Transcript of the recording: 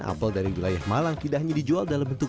apel dari wilayah malang tidak hanya dijual dalam bentuk